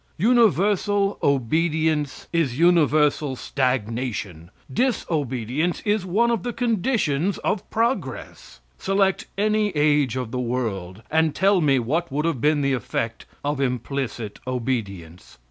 Universal obedience is universal stagnation; disobedience is one of the conditions of progress. Select any age of the world and tell me what would have been the effect of implicit obedience.